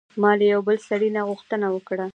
ما له یوه بل سړي نه غوښتنه وکړه.